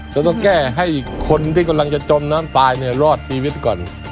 จะต้องแก้ให้คนที่กำลังจะจมน้ำตายเนี่ยรอดชีวิตก่อน